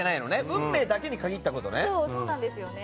運命だけに限ったことね。